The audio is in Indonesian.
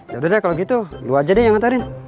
yaudah deh kalau gitu lu aja deh yang ngantarin